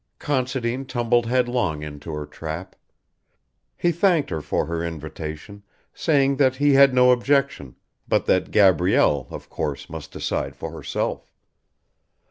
Considine tumbled headlong into her trap. He thanked her for her invitation, saying that he had no objection, but that Gabrielle, of course, must decide for herself.